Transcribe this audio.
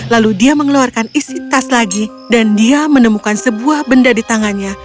lalu dia mengeluarkan isi tas lagi dan dia menemukan sebuah benda di tangannya